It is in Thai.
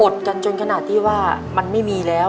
กันจนขนาดที่ว่ามันไม่มีแล้ว